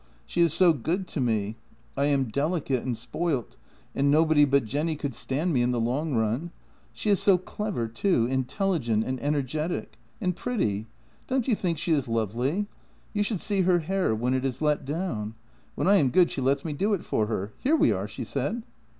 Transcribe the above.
She is so good to me. I am delicate and spoilt, and nobody but Jenny could stand me in the long run. She is so clever too, intelligent and energetic. And pretty — don't you think she is lovely? You should see her hair when it is let down! When I am good she lets me do it for her. Here we are," she said.